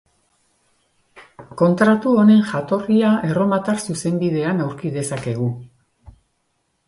Kontratu honen jatorria Erromatar Zuzenbidean aurki dezakegu.